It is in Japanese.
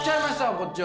こっちは。